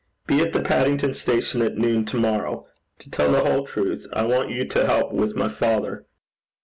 'Be at the Paddington Station at noon to morrow. To tell the whole truth, I want you to help me with my father.'